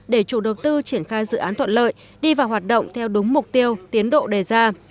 để chủ đầu tư triển khai dự án thuận lợi đi vào hoạt động theo đúng mục tiêu tiến độ đề ra